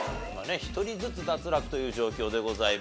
１人ずつ脱落という状況でございます。